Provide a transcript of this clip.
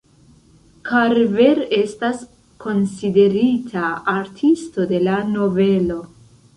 Karver estas konsiderita artisto de la novelo.